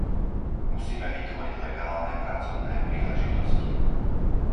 Musíme vytvoriť legálne pracovné príležitosti.